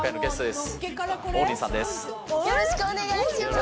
よろしくお願いします。